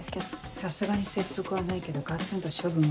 さすがに切腹はないけどガツンと処分はある。